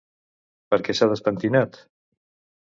Per què s'ha despentinat?